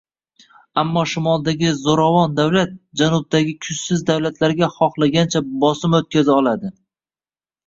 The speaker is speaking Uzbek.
Ammo shimoldagi zo'ravon davlat janubdagi kuchsiz davlatlarga xohlagancha bosim o'tkaza oladi